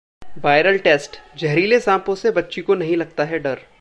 Viral test: जहरीले सांपों से बच्ची को नहीं लगता है डर!